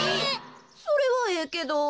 それはええけど。